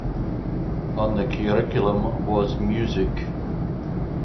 On the curriculum was music.